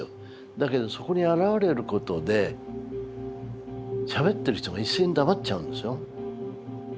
だけどそこに現れることでしゃべってる人が一斉に黙っちゃうんですよ。